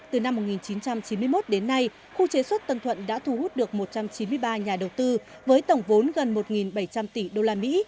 từ năm một nghìn chín trăm chín mươi một đến nay khu chế xuất tân thuận đã thu hút được một trăm chín mươi ba nhà đầu tư với tổng vốn gần một bảy trăm linh tỷ usd